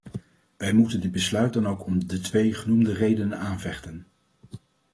Wij moeten dit besluit dan ook om de twee genoemde redenen aanvechten.